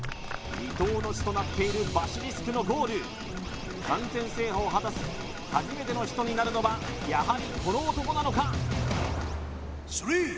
離島の地となっているバシリスクのゴール完全制覇を果たす初めての人になるのはやはりこの男なのか？